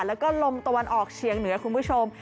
แล้วก็ลมตะวันออกเชียงเหนือคุณผู้ชม